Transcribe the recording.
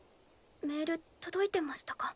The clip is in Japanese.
メール届いてましたか？